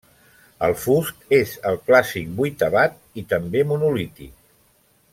El fust és el clàssic vuitavat i també monolític.